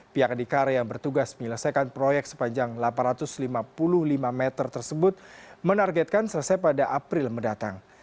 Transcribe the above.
pihak adikara yang bertugas menyelesaikan proyek sepanjang delapan ratus lima puluh lima meter tersebut menargetkan selesai pada april mendatang